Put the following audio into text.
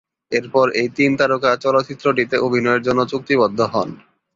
এরপর এই তিন তারকা চলচ্চিত্রটিতে অভিনয়ের জন্য চুক্তিবদ্ধ হন।